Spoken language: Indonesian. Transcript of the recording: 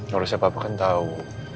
harusnya papa kan tau